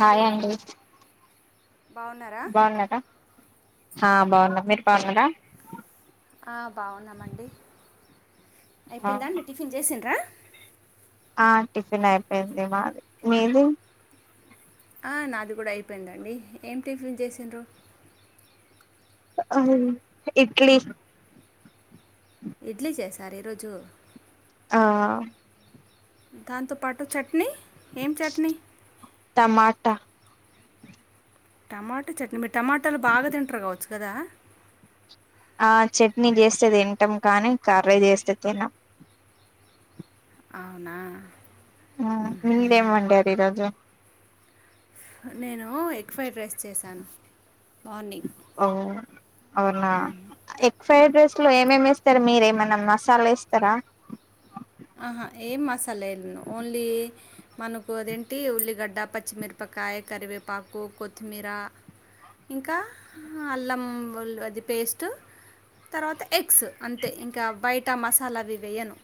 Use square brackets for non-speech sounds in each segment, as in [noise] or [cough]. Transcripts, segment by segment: Hi అండి బాగున్నారా హ బాగున్నా మీరు బాగున్నారా ఆ, బాగున్నామండి అయిపోయిందా అండి టిఫిన్ చేసిండ్రా ఆ టిఫిన్ అయిపోయింది మాది మీది ఆ నాది కూడా అయిపోయిందండి ఏం టిఫిన్ చేసండ్రు ఆ ఇడ్లీ ఇడ్లీ చేసారా ఈ రోజు ఆ దాంతోపాటు చట్నీ ఏం చట్నీ టమాటా టమాటా చట్నీ మీరు టమాటాలు బాగా తింటారు కావచ్చు కదా ఆ చట్నీ చేస్తే తింటాం కానీ కర్రీ చేస్తే తినం అవునా హా మీరేం వండారు ఈ రోజు నేను ఎగ్ ఫ్రైడ్ రైస్ చేశాను మార్నింగ్ ఓ అవునా ఎగ్ ఫ్రైడ్ రైస్లో ఏమేమి ఎస్తారు మీరు ఏమైనా మసాలా ఏస్తారా ఆహా ఏం మసాల ఓన్లీ మనకు అదేంటి ఉల్లిగడ్డ పచ్చిమిర్ కాయ్ కరివేపాకు కొత్థమీర ఇంకా అల్లం అది పేస్ట్ ఎగ్స్ అంతే ఇంక బయట మసాలా అవి వేయను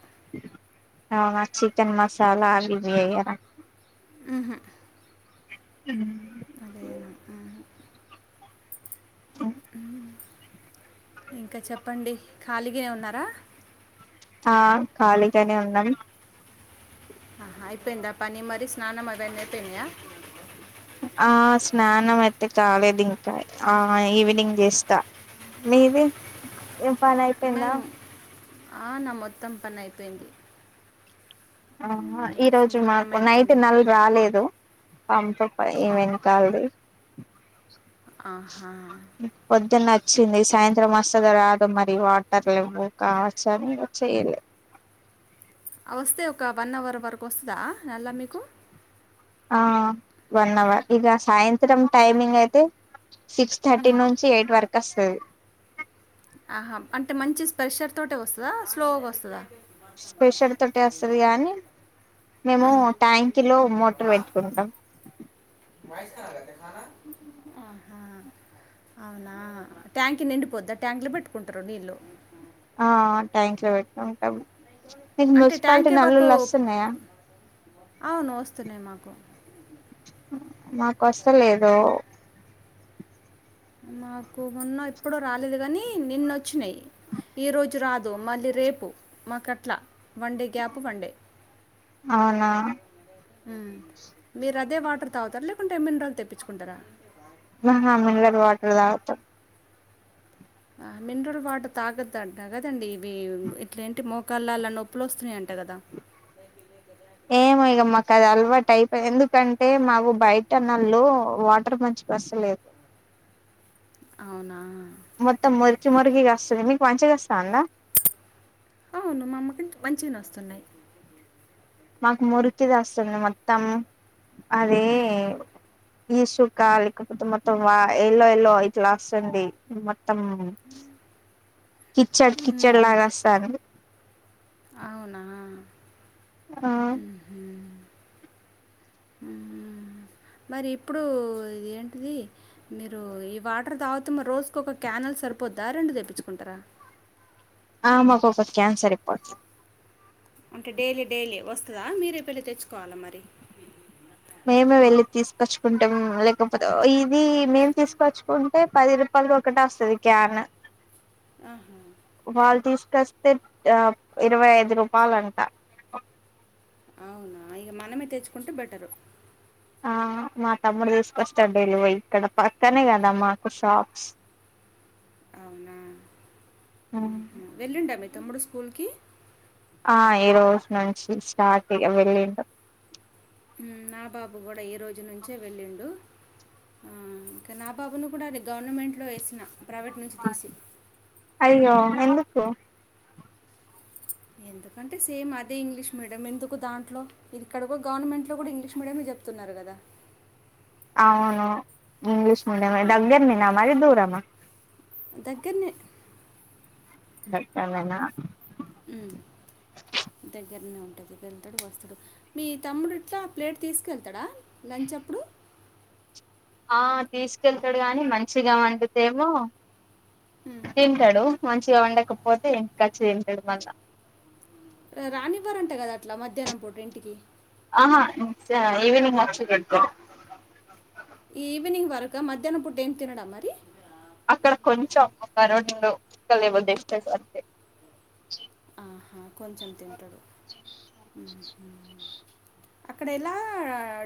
అవునా చికెన్ మసాల అవి వేయర హు హు హు అదే అదే ఇంకా చెప్పండి ఖాళీగే ఉన్నార ఆ ఖాళీగానే ఉన్నాం ఆహా అయిపోయిందా పని మరీ స్నానం అవన్నీ అయిపోయినాయ ఆ స్నానం అయితే కాలేదు ఇంక ఆ ఈవినింగ్ చేస్త మీది పని అయిపోయిందా [unintelligible] ఆ నా మొత్తం పని అయిపోయింది ఆ హ్మ్. ఈ రోజు స్నానం మాకు నైట్ అయిపోయింది. నలు రాలేదు [unintelligible] ఆ! ఏమేం కాలదు ఆహా పొద్దున్న వచ్చింది సాయంత్రం వస్తదో రాదో మరి వాటర్ లేవ్వు కావచ్చు అని [unintelligible] వస్తే ఒక వన్ అవర్ వరకు వస్తుంద నల్ల మీకు ఆ వన్ అవర్ ఇగ సాయంత్రం టైమింగ్ అయితే సిక్స్ థర్టీ నుంచి ఎయిట్ వరకు వస్తది ఆహా అంటే మంచి స్పెషర్ తోటే వస్తద స్లోగా వస్తద స్పెషర్ తోటే వస్తది కానీ ఆ. మేము ట్యాంకిలో మోటర్ అమ్మా పెట్టుకుంటాం ఆహా అవునా ట్యాంక్ నిండిపోద్ద ట్యాంకులో పెట్టుకుంటారు నీళ్ళు ఆ ట్యాన్క్ లో పెట్టు కుంటం అంటే ట్యాంక్ ఎవరికో అవును వస్తున్నాయి మాకు మాకు వస్త లేదు మాకు మొన్న ఎప్పుడో రాలేదు కాని నిన్నొచ్చినాయి ఈరోజు రాదు మళ్ళీ రేపు మాకట్ల వన్డే గ్యాప్ వన్డే అవునా హు మీరు అదే వాటర్ తాగుతారా లేకుంటే మినరల్ తెప్పించుకుంటార మినరల్ వాటర్ తాగుతాం ఆ మినరల్ వాటర్ తాగద్ అంట కదండి ఇవి ఇట్లెంటి మోకాళ్ళ నొప్పులు వస్తున్నాయం ఏమో ఇగర్ మాక్ అది అల వాటైపే ఎందుకంటే మావు బయట నళ్ళు వాటర్ మంచిగా వస్తలేదు అవునా మొత్తం ముచ్చు మొరిగిగా వస్తుంది మీకు మంచిగా వస్తాంద అవును మా [unintelligible] కంట్ మంచిగానే వస్తున్నాయ్ మాకు మురికిది వస్తుంది మొత్తం అదే ఇసుక [unintelligible] లేకపోతే మొత్తం వై ఎల్లో ఎల్లో ఇట్ల వస్తుంది త్తం కిచడ్ కిచడ్ మ్మ్హ. లాగ వస్తంది అవునా ఆ ఉహు హు మరి ఇప్పుడు ఏంటిది మీరు ఈ వాటర్ తాగుతు మరి రోజుకొక క్యాన్ సాల్ సరిపోద్దా రెండు తెప్పిచ్చుకుంటారా ఆ మాకు ఒక్క క్యాన్ సరిపోతాయ్ అంటే డైలీ డైలీ వస్తదా మీరే పెళ్లి తెచ్చుకోవాలా మరి మేమే వెళ్లి తీసుకొచ్చుకుంటాం లేకపోత ఇది మేము తీసుకొచ్చుకుంటే పది రూపాల్ అది ఒకట వస్తది క్యాన్ అహా కస్తే ఆ ఇరవై ఐదు రూపాలంటా అవునా ఇగ మనమే తెచ్చుకుంటే బెటరు ఆహ్ మా తమ్ముడు తీసుకొస్తాడు డైలీ పోయి ఇక్కడ పక్కనే కదా మాకు షాప్స్ అవునా ఉహు వెళ్లిండా మీ తమ్ముడు స్కూల్ కి ఆహ్ ఈ రోజు నుంచి స్టార్ట్ ఇగ వెళ్ళిండు హు నా పాప కూడా ఈ రోజు నుంచే వెళ్ళిండు ఆహ్ ఇంకా నా పాపను కూడా అది గవర్నమెంట్ లో వేసిన ప్రైవేట్ నుంచి తీసి అయ్యో ఎందుకు ఎందుకంటే సేమ్ అదే ఇంగ్లీష్ మీడియం ఎందుకు దాంట్లో ఇది ఇక్కడ కూడా గవర్నమెంట్ లో కూడా ఇంగ్లీష్ మీడియమే చెప్ ప్తున్నారు కదా అవును ఇంగ్లీష్ మీడియమే ఆ, దగ్గర నేనా మరి దూరమా దగ్గరనే దగ్గర నేనా హు ద గ్గరనే ఉంటది వెళ్తాడు వస్తాడు మీ తమ్ముడు ఇట్లా ప్లేట్ తీసుకెళ్తాడా లంచ్ అప్పుడు ఆహ్ తీసుకెళ్తాడు గానీ మంచిగా వండితేమో ఉమ్, తింటాడు. మంచిగా వండకపోతే ఇంటికి కాచ్చి తింటాడు మల్ల రానివ్వరంట కదా అట్లా మధ్యాహ్నం పూట ఇంటికి ఆహా ఈవెనింగ్ అచ్చు కడతారు ఈవినింగ్ వరక మధ్యాహ్నం పూట ఏం తినడా మరి అక్కడ కొంచెం ఒక రెండు ముక్కలెమో అంతే ఆహా కొంచెం తింటాడు ఉహు అక్కడ ఎలా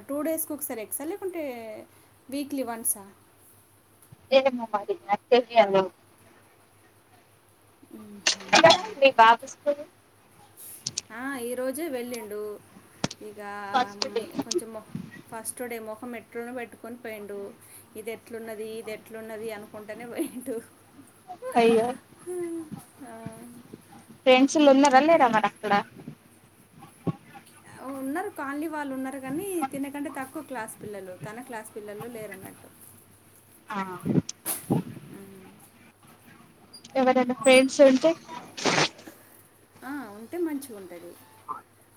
టూ డేస్ ఒకసారి ఎగ్సా లేకుంటే వీక్లీ వన్సా లేదేమో మరి, నాకు తెలియదు [inaudible] మీ బాబు స్కూల్ ఆహ్ ఈ రోజే వెళ్ళిండు ఇగా ఫస్ట్ డే హ్మ్ కొంచెం ఫస్ట్ డే మోకం ఎట్లానో పెట్టుకు కొని పోయిండు ఇది ఎట్లున్నది ఇది ఎట్లున్నది అనుకుంటనే పోయిండు అయ్యో ఆహ్ ఫ్రెండ్స్ లు ఉన్నర లేరా మరి అక్కడ ఉన్నారు కాలనీ వాళ్ళు ఉన్నారు కానీ తినకంటే తక్కువ క్లాస్ పిల్లలు తన క్లాస్ పిల్లలు లేరన్నట్టు ఆహ్ మ్. ఎవరైనా ఫ్రెండ్స్ ఉంటే ఆహ్ ఉంటే మంచిగా ఉంటది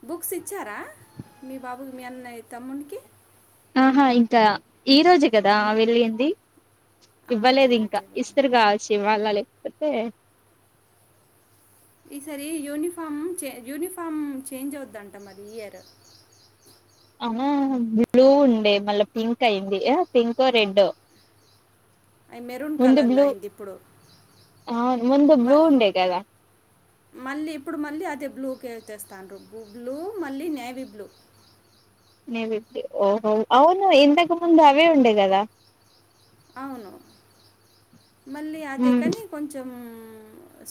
బుక్స్ ఇచ్చారా మీ బాబుకి మీ అన్నయ్యా తమ్మునీకి ఆహా ఇంకా ఈ రోజు కదా వెళ్ళింది ఆహా ఇవ్వలేదు ఇంకా ఈరోజే వెళ్ళండి ఇస్తరు కావచ్చు ఇవాళ్ళా చెప్పే ఈసారి యూనిఫామ్ యూనిఫామ్ చేంజ్ అవుద్దంట మది ఇయర్ ఆవును బ్లూ ఉండే మళ్ళా పింక్ అయింది పింకో రెడో అవి మెరూన్ కలర్ల అయింది ఇప్పుడు అవును ముందు బ్లూ ఉండే కదా మల్లి ఇప్పుడు మల్లి అదే బ్లూ కేేల్ చేస్తారూ బ్లూ మళ్ళీ నేవీ బ్లూ నేవీ బు ఓహో అవును ఇంతకు ముందు అవే ఉండే కదా అవును మళ్ళీ అదే కదా ఉమ్ కాని కొంచెం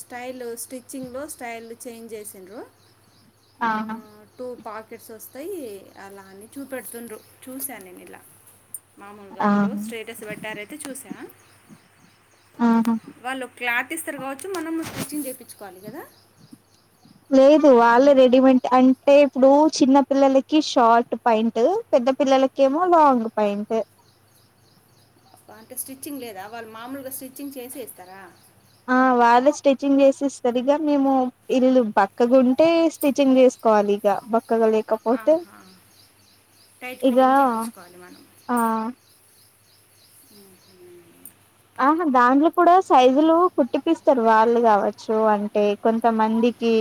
స్టైల్ స్టిచ్చింగ్ స్టైల్ చేంజ్ చేసిండ్రు ఆహా టికెట్స్ వస్తాయి అలా అని చూపెడుతుండ్రు చూశాను నేను ఇలా మామములుగా ఆహా ఓకలు స్ట్రేటస్ పెట్టరు ఆయితే చూసా ఆహా వాళ్ళు క్లారీటి ఇస్తారు కావచ్చు మనం స్టిచ్చింగ్ చేపించుకోవాలి కదా లేదు వాల్లే రెడీమేట్ అంటే ఇప్పుడు చిన్న పిల్లలకి షార్ట్ ప్యాంట్ పెద్ద పిల్లలకి కేమో లంగ్ పాయింట్ అంటే స్టిచ్చింగ్ లేదా వాళ్ళు మామూలుగా స్టిచ్చింగ్ చేసే ఇస్తారా వాళ్ళ స్టిచ్చింగ్ చేసి ఇస్తారు ఇగ మేము ఇల్లు బక్కగాంటే స్టిచ్చింగ్ చేసుకోవాలి ఇగా పక్కగ లేకపోతే ఆహా టైట్ ఇగా ఫిట్టింగ్ ఆ ఉహ్ ఆహా దాంట్లో కూడా సైజులు కుట్టిపిస్తారు వాళ్ళు కావచ్చు అంటే కొంతమంది కి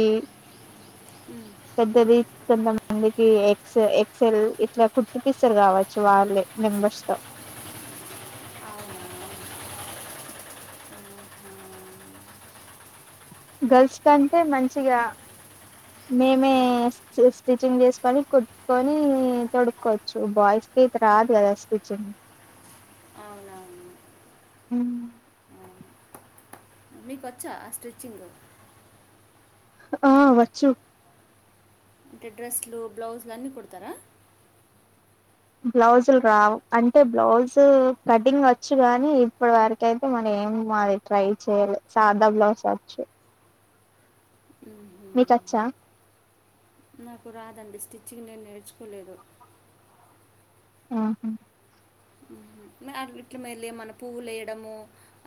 పెద్దది కొంతమంది ఎక్స్ ఎక్స్ ఎల్ ఇట్లా కుట్టిపిస్తారు కావచ్చు వాళ్ళు మెంబర్స్ తో అవునా గర్ల్స్ కంటే మంచిగా మేమే ఆహా. స్టిచింగ్ చేసుకొని కుట్కొని తొడుక్కకోవచ్చు బాయ్స్ అయితే రాదు కదా త్రిచ్చింగ్ అవును హ్ అవును. మీకు వచ్చా ఆ స్ట్రిచ్చింగ్ ఆ వచ్చు అంటే డ్రెస్లు బ్లౌజ్లు అన్నీ కుడతారా బ్లౌజులు రావు అంటే బ్లౌజు కటింగ్ వచ్చు గానీ ఇప్పుడు వరకు అయితే మన ఏమో ఆది ట్రై చేయ్యాలే సాదా బ్లౌస్ వచ్చు మ్మ్. నీకచ్చా నాకు రాదండి స్టిచ్చింగ్ నేను నేర్చుకోలేదు ఆహా హ్ నాకు గిట్ల మరీ మన పువ్వులు వేయడము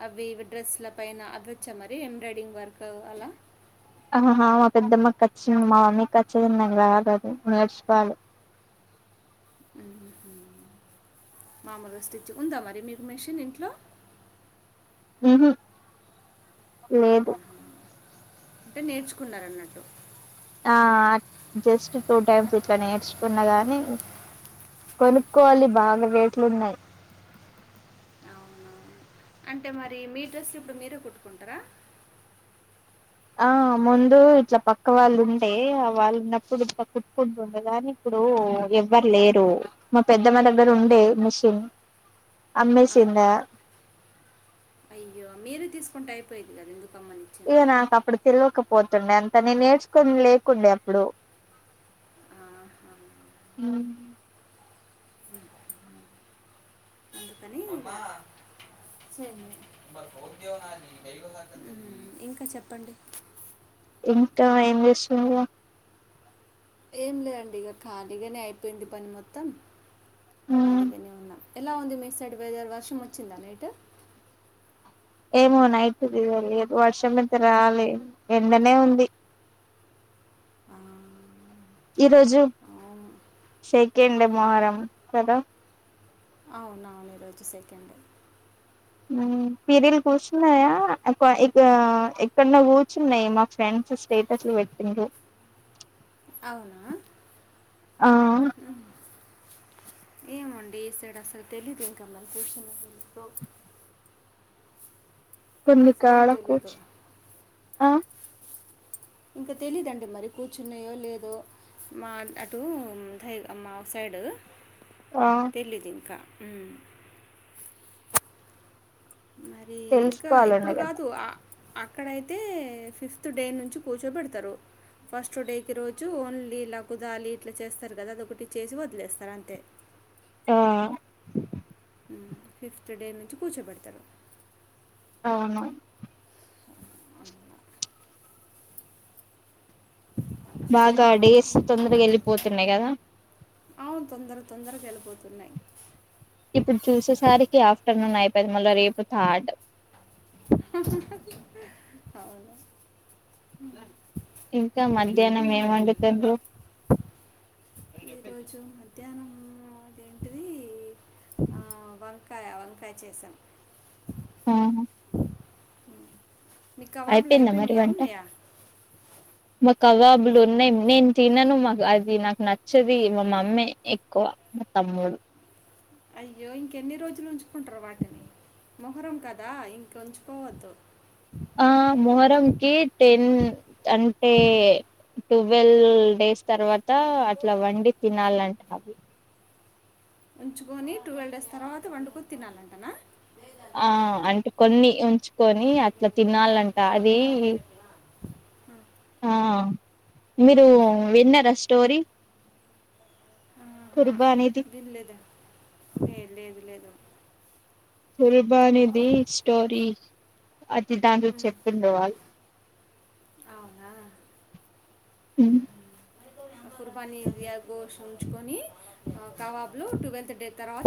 అవి డ్రెస్ల పైన అవి వచ్చా మరి ఎంబ్రాయిడర్ వర్క్ అలా ఆహా మా పెద్దమ్మకి వచ్చి మా మమ్మీకి వచ్చిదింలాదు [unintelligible] నేర్చుకోవాలి మ్మ్. మామూలుగా స్టిచ్ ఉందా మరి మీకు మెషిన్ ఇంట్లో హు హమ్ లేదు అంటే నేర్చుకున్నార అన్నట్టు ఆ జస్ట్ టూ టైమ్స్ ఇట్లా నేర్చుకున్న గానీ కొనుక్కోవాలి బాగా రేట్లు ఉన్నాయి అవునా అంటే మరి మీ డ్రెస్ ఇప్పుడు మీరే కుట్టుకుంటారా ఆ ముందు ఇట్లా పక్క వాళ్ళు ఉంటే ఆ వాళ్ళు ఉన్నప్పుడు ఇట్టా కుట్టుకుంటుండే కాని ఇప్పుడు ఎవ్వరు లేరు మా పెద్దమ్మ దగ్గర ఉండే మిషన్ అమ్మేసింద అయ్యో మీరే తీసుకుంటే అయిపోయిది గదా ఇగ నా కప్పుడు తెల్వక పోతుండే అంత నే నేర్చుకుని లేకుండే అప్పుడు ఆహా. ఉం మూ వ [unintelligible] ఉం ఇంకా చెప్పండి ఇంకా ఏం చేస్తుంది ఇగ ఏం లేదండి ఇగ ఖాళీగానే అయిపోయింది పని మొత్తం ఖాళీగానే ఉన్నాం ఎలా ఉంది మీ సైడ్ వెదర్ వర్షం వచ్చిందా నైట్ ఏమో నైట్ తెలియలేదు వర్షం ఐతే రాలే ఎండనే ఉంది ఆ, ఈరోజు అవును ఆ, సెకండ్ మోహరం కదా అవును అవును ఈరోజు సెకండే పిరలు కూర్చున్నాయా ఇ [unintelligible] ఎక్కడన్నా కూర్చున్నాయి మా ఫ్రెండ్స్ స్టేటస్లు పెట్టినరు అవునా ఆ ఏమండి ఈ సాడు అసలు తెలీదు ఏం కళి కూర్చనిో [unintelligible] [unintelligible] తనికాడకుచ్చ తెలీదు ఆ ఇంక తెలీయధండి మరి కూర్చున్నయో లేదో మా అటు దయి మా సైడు ఆ తెలీయదు ఇంకా మ్మ్. మరి ఇంకా ఇప్పుడు తెలుసుకోవాలండి కదా కాదు ఆ అక్కడ అయితే ఫిఫ్త్ డే నుంచి కూర్చోబెడతారు ఫస్ట్ డేకి రోజు ఓన్లీ లా కుదాలి ఇట్లా చేస్తారు కదా అదొకటి చేసి వదిలేస్తారు అంతే ఆ ఉం ఫిఫ్త్ డే నుంచి కూర్చోబెడతారు అవును అ [inaudible] బాగా డేస్ తొందరగా వెళ్ళిపోతున్నాయి కదా అవును తొందర తొందరగా వెళ్ళిపోతున్నాయి ఇప్పుడు చూసేసరికి ఆఫ్టర్నూన్ అయిపోయిది మళ్ళీ రేపు థార్డ్ అవునా ఇంకా మధ్యాహ్నం ఏం వండుతుండ్రు ఈరోజు మధ్య ఉం అదేంటిది ఆ వంకాయ వంకాయ చేసాం ఆ నీ కవాబులు అయిపోయిందా మరి అయిపోయినాయా వంట ఉన్నాయా మా కవాబులు ఉన్నాయి నేను తినను మాకు అది నాకు నచ్చది మా మమ్మే ఎక్కువ మా తమ్ముడు అయ్యో ఇంకెన్ని రోజులు ఉంచుకుంటారు వాటిని మొహరం కదా ఇంక ఉంచుకోవద్దు ఆ మొహరంకి టెన్ అంటే ట్వెల్వ్ డేస్ తర్వాత అట్లా వండి తినాలంట అవి ఉంచుకొని టువల్ డేస్ తర్వాత వండుకొని తినాలంటనా ఆ అంటే కొన్ని ఉంచుకొని అట్లా తినాలంట అది ఆ మీరు విన్నారా స్టోరీ ఆహా కుర్బానీది విన్లేదే ఏ లేదు లేదు కుురుబా అనేది స్టోరీ అది దాంట్లో ఉమ్, చెప్పిండే వాళ్ళు అవునా ఉమ్మ్ కుర్బానీ ఇదియా గోష్ ఉంచుకొని ఆ కవాబ్లు టువల్త్ డే తర్వాత